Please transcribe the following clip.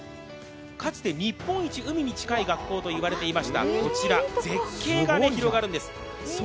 かつて日本一海に近い学校と言われていました、こちら、絶景が広がるんです。